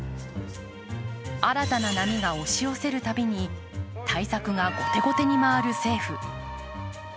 新たな波が押し寄せるたびに対策が後手後手に回る政府。